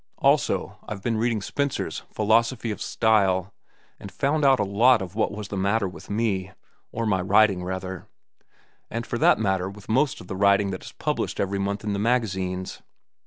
Also, I've been reading Spencer's 'Philosophy of Style,' and found out a lot of what was the matter with me—or my writing, rather; and for that matter with most of the writing that is published every month in the magazines."